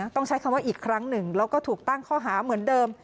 ต้องใช้คำว่าอีกครั้งหนึ่งแล้วก็ถูกตั้งข้อหาเหมือนเดิม